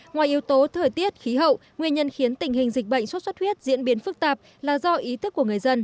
ngoài yếu tố thời tiết khí hậu nguyên nhân khiến tình hình dịch bệnh xuất xuất huyết diễn biến phức tạp là do ý thức của người dân